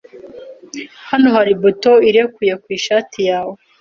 Hano hari buto irekuye ku ishati yawe.